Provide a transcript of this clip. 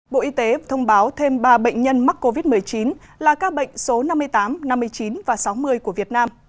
bộ y tế thông báo thêm ba bệnh nhân mắc covid một mươi chín là các bệnh số năm mươi tám năm mươi chín và sáu mươi của việt nam